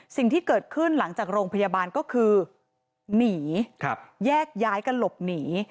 สิ่งที่เกิดขึ้นหลังจากโรงพยาบาลก็คือหนีแยกย้ายกันหลบหนี